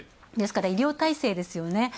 ですから医療体制ですよね。